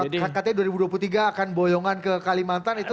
jadi katanya dua ribu dua puluh tiga akan boyongan ke kalimantan itu